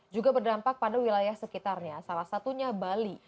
juga berdampak pada wilayah sekitarnya salah satunya bali